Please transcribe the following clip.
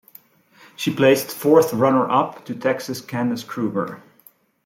She placed fourth runner-up to Texas' Kandace Krueger.